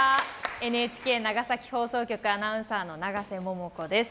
ＮＨＫ長崎放送局アナウンサーの長瀬萌々子です。